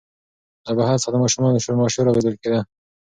له بهر څخه د ماشومانو شورماشور اورېدل کېده.